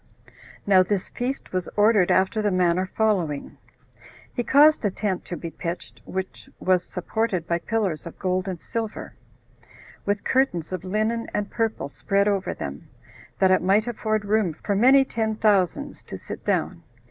Now this feast was ordered after the manner following: He caused a tent to be pitched, which was supported by pillars of gold and silver, with curtains of linen and purple spread over them, that it might afford room for many ten thousands to sit down.